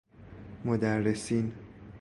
مدرسین